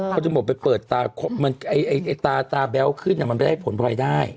เขาจะบอกไปเปิดตาตาแบ้วขึ้นมันไม่ได้ผลภัยได้